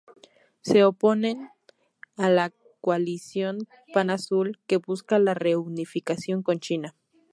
Se oponen a la Coalición pan-azul que busca la reunificación con China.